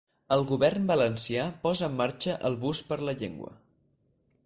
El govern valencià posa en marxa el bus per la llengua.